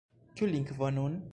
Kiu lingvo nun?